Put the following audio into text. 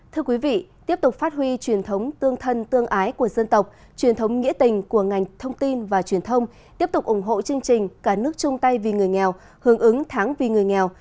thưa quý vị tiếp tục phát huy truyền thống tương thân tương ái của dân tộc truyền thống nghĩa tình của ngành thông tin và truyền thông tiếp tục ủng hộ chương trình cả nước chung tay vì người nghèo hướng ứng tháng vì người nghèo